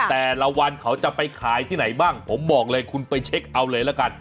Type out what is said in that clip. แต่ละวันเขาจะไปขายที่ไหนบ้างผมบอกเลยคุณไปเช็คเอาเลยละกัน